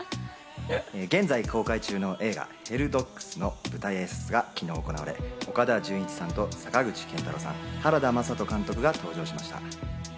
現在公開中の映画『ヘルドッグス』の舞台挨拶が昨日行われ、岡田准一さんと坂口健太郎さん、原田眞人監督が登場しました。